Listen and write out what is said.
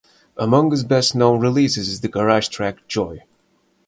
Among his best known releases is the garage track "Joy".